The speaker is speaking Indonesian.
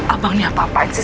abang ini apa apain sih